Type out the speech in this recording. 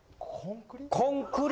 コンクリ？